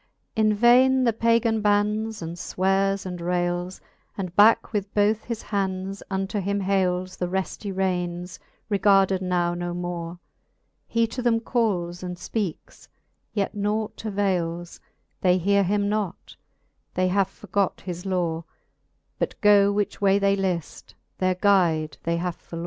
In vaine the Pagan bannes, and fweares, and rayles, And backe with both his hands unto him hayles The refty raynes, regarded now no more : He to them calles and fpeakes, yet naught avayles ; They heare him not, they have forgot his lore^ But go, which way they lift, their guide they have forlore.